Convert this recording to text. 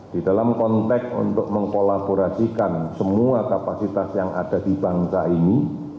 di dalam konteks untuk mengkolaborasikan semua kapasitas yang ada di bangsa ini